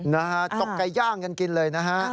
นะฮะตกไก่ย่างกันกินเลยนะฮะ